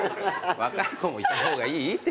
若い子もいた方がいいって。